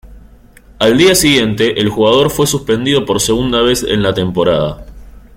Al día siguiente, el jugador fue suspendido por segunda vez en la temporada.